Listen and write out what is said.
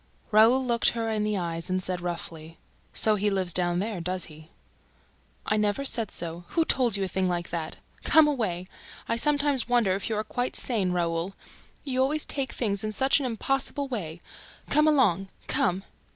Raoul looked her in the eyes and said roughly: "So he lives down there, does he?" "I never said so ... Who told you a thing like that? Come away! I sometimes wonder if you are quite sane, Raoul ... You always take things in such an impossible way ... Come along! Come!"